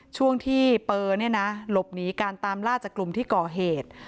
ช่วงที่เปอร์เนี่ยนะหลบหนีการตามล่าจากกลุ่มที่ก่อเหตุ